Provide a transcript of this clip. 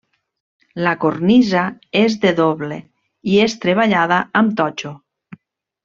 La cornisa és de doble i és treballada amb totxo.